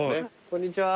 こんにちは。